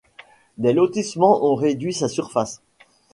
Des lotissements ont réduit sa surface.